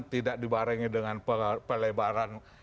tidak dibarengi dengan pelebaran